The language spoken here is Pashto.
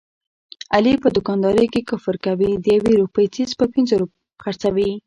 علي په دوکاندارۍ کې کفر کوي، د یوې روپۍ څیز په پینځه خرڅوي.